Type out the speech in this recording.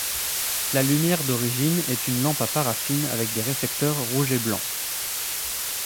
La lumière d'origine est une lampe à paraffine avec des réflecteurs rouges et blancs.